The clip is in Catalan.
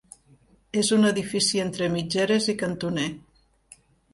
És un edifici entre mitgeres i cantoner.